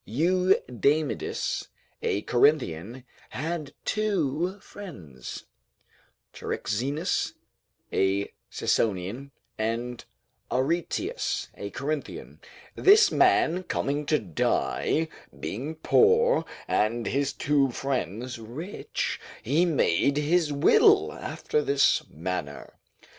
Eudamidas, a Corinthian, had two friends, Charixenus a Sicyonian and Areteus a Corinthian; this man coming to die, being poor, and his two friends rich, he made his will after this manner.